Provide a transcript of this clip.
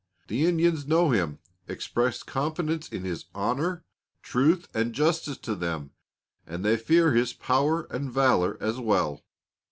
The Indians know him, express confidence in his honor, truth, and justice to them, and they fear his power and valor as well.